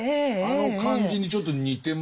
あの感じにちょっと似てますよね。